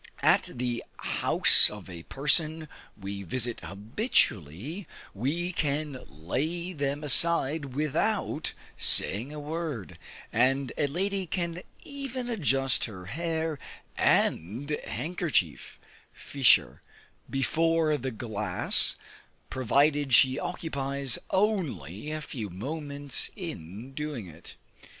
At the house of a person we visit habitually, we can lay them aside without saying a word, and a lady can even adjust her hair and handkerchief, (ficher) before the glass, provided she occupies only a few moments in doing it.